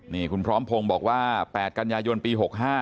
นี่คุณพร้อมพงศ์บอกว่า๘กันยายนปี๖๕